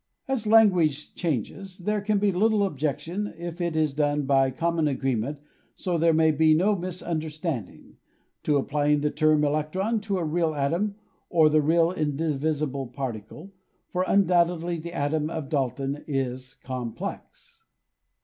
As language changes there can be little objection, if it is done by com mon agreement so there may be no misunderstanding, to applying the term electron to a real atom or the real indi visible particle, for undoubtedly the atom of Dalton is complex.